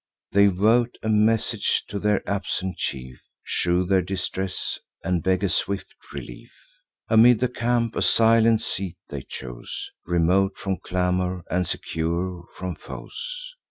They vote a message to their absent chief, Shew their distress, and beg a swift relief. Amid the camp a silent seat they chose, Remote from clamour, and secure from foes.